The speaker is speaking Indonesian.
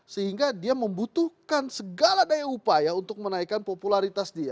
sehingga dia membutuhkan segala daya upaya untuk menaikkan popularitas dia